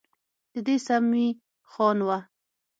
ددې سمي خان وه.